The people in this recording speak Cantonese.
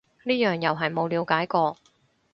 呢樣又係冇了解過